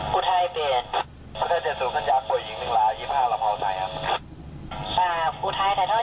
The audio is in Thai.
หุ่นทรายหุ่นทรายเปลี่ยน